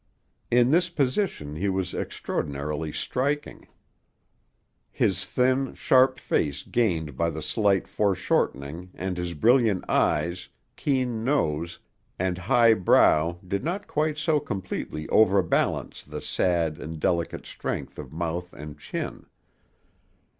In this position he was extraordinarily striking. His thin, sharp face gained by the slight foreshortening and his brilliant eyes, keen nose, and high brow did not quite so completely overbalance the sad and delicate strength of mouth and chin.